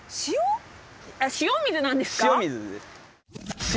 塩水なんですか？